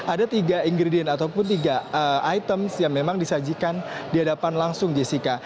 ada tiga ingredient ataupun tiga item yang memang disajikan di hadapan langsung jessica